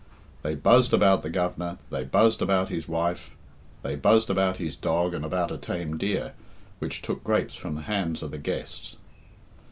They buzzed about the Governor, they buzzed about his wife, they buzzed about his dog and about a tame deer, which took grapes from the hands of the guests.